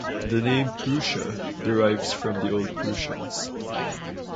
The name "Prussia" derives from the Old Prussians.